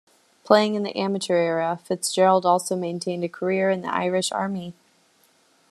Playing in the amateur era, Fitzgerald also maintained a career in the Irish Army.